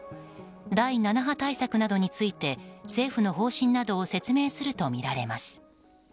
第７波対策などについて政府の方針などを説明するとみられます。